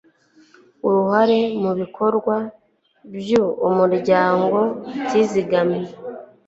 uruhare mu bikorwa by umuryango batizigamye